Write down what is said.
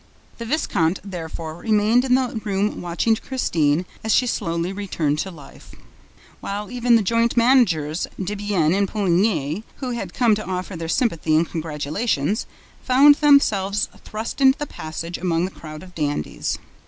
The viscount, therefore, remained in the room watching Christine as she slowly returned to life, while even the joint managers, Debienne and Poligny, who had come to offer their sympathy and congratulations, found themselves thrust into the passage among the crowd of dandies.